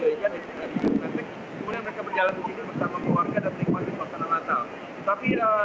mereka mengadakan apa yang disebut dengan last shopping atau shopping terakhir untuk natal